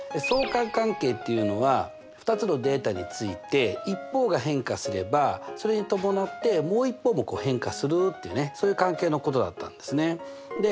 相関関係っていうのは２つのデータについて一方が変化すればそれに伴ってもう一方も変化するっていうそういう関係のことだったんですね。